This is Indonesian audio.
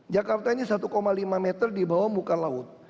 jakarta ini satu lima meter di bawah muka laut